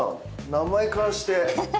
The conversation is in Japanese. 名前からして。